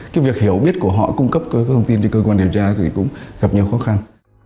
cái việc hiểu biết của họ cung cấp các thông tin cho cơ quan điều tra thì cũng gặp nhiều khó khăn